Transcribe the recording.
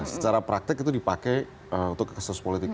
secara praktik itu dipakai untuk kasus politik